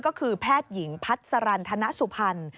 ก็คือแพทย์หญิงพัสรันธนสุพรรณ